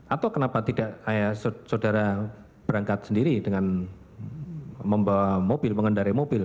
atau kenapa tidak ayah saudara berangkat sendiri dengan membawa mobil mengendarai mobil